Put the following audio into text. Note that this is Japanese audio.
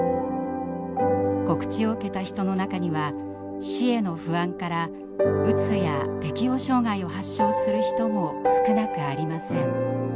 告知を受けた人の中には死への不安からうつや適応障害を発症する人も少なくありません。